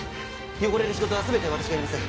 汚れる仕事は全て私がやります